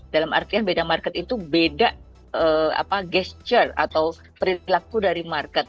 dalam artian beda market itu beda gesture atau perilaku dari market